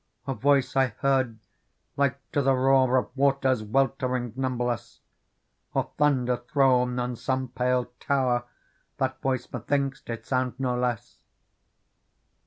A voice I heard like to the roar Of waters weltering numberless, Or thunder thrown on some pale tower : That voice methinks did sound no less.